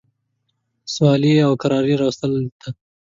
سولي او کراري راوستلو ته.